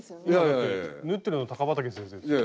だって縫ってるの高畠先生ですよ。